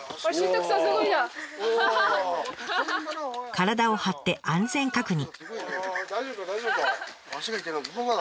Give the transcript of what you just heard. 体を張って安全確認。